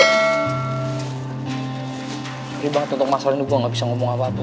ini banget untuk masalah ini gue gak bisa ngomong apa apa